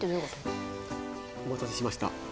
お待たせしました。